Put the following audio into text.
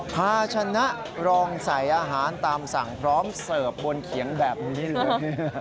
ภาชนะรองใส่อาหารตามสั่งพร้อมเสิร์ฟบนเขียงแบบนี้เลย